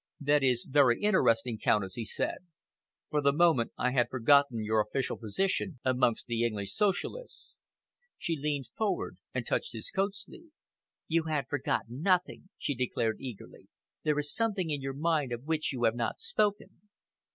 "That is very interesting, Countess," he said. "For the moment I had forgotten your official position amongst the English Socialists." She leaned forward and touched his coat sleeve. "You had forgotten nothing," she declared eagerly. "There is something in your mind of which you have not spoken."